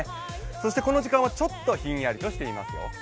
そしてこの時間はちょっとひんやりとしていますよ。